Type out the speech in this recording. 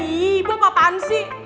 ihh bapak pansi